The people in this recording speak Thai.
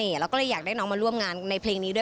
แล้วก็เลยอยากได้น้องมาร่วมงานในเพลงนี้ด้วย